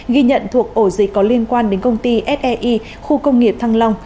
ghi nhận thuộc ổ dịch có liên quan đến công ty sei khu công nghiệp thăng long